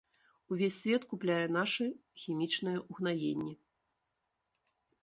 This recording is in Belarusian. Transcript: Увесь свет купляе нашы хімічныя ўгнаенні.